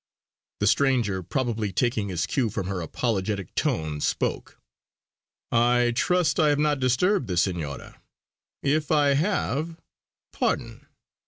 The stranger probably taking his cue from her apologetic tone spoke: "I trust I have not disturbed the Senora; if I have, pardon!